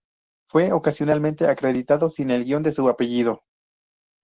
Fue ocasionalmente acreditado sin el guión en su apellido.